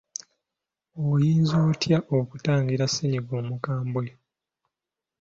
Oyinza otya okutangira ssennyiga omukambwe?